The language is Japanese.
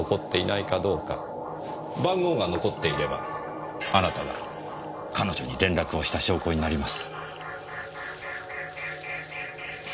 番号が残っていればあなたが彼女に連絡をした証拠になります。